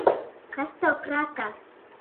Kas tev prātā?